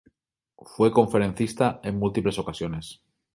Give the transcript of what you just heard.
Fue conferencista en múltiples ocasiones.